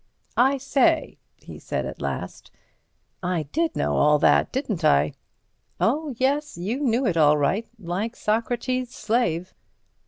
"I say," he said at last, "I did know all that, didn't I?" "Oh, yes—you knew it all right—like Socrates's slave."